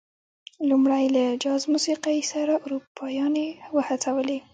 لومړی یې له جاز موسيقۍ سره اروپايانې وهڅولې.